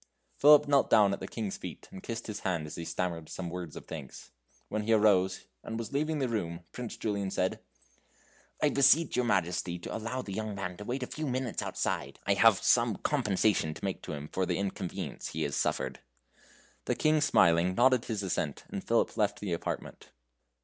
Philip knelt down at the King's feet and kissed his hand as he stammered some words of thanks. When he arose, and was leaving the room, Prince Julian said: "I beseech your Majesty to allow the young man to wait a few minutes outside. I have some compensation to make to him for the inconvenience he has suffered." The King, smiling, nodded his assent, and Philip left the apartment.